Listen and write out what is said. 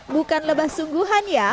bukan lebah sungguhan ya